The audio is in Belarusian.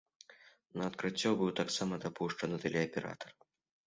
На адкрыццё быў таксама дапушчаны тэлеаператар.